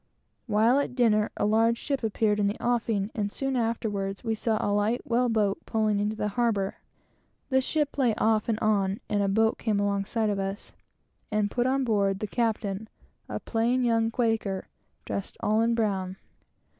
While at dinner, a large ship appeared in the offing, and soon afterwards we saw a light whale boat pulling into the harbor. The ship lay off and on, and a boat came alongside of us, and put on board the captain, a plain young Quaker, dressed all in brown.